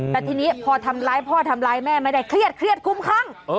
แต่ทีนี้พอทำร้ายพ่อทำร้ายแม่ไม่ได้เครียดเครียดคุ้มครั่ง